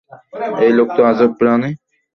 এই লোক তো আজব প্রাণী।